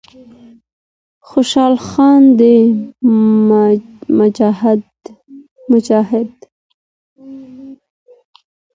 خوشال خان د مجاهد